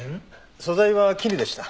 素材は絹でした。